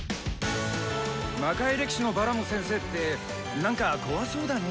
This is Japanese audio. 魔界歴史のバラム先生って何か怖そうだね。